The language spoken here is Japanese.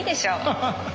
ハハハ！